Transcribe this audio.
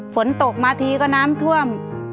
ฝนตกมาทีก็น้ำท่วม